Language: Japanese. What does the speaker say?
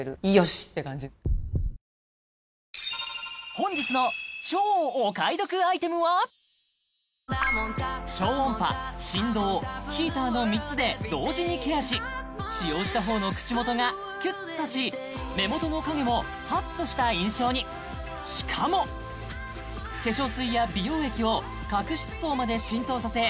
本日の超お買い得アイテムはの３つで同時にケアし使用した方の口元がキュッとし目元の影もパッとした印象にしかも化粧水や美容液を角質層まで浸透させ